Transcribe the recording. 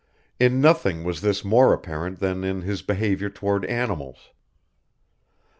In nothing was this more apparent than in his behaviour towards animals.